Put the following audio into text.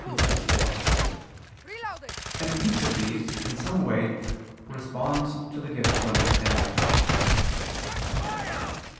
2, 4), and each of these, in some way, responds to the gift of understanding.